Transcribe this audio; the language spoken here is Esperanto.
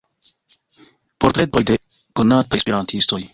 Portretoj de konataj Esperantistoj.